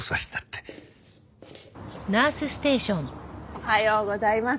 おはようございます。